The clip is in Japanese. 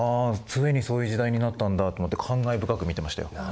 ついにそういう時代になったんだと思って感慨深く見てましたよ。